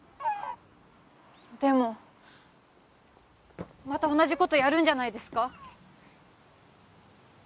でもまた同じことやるんじゃないですか？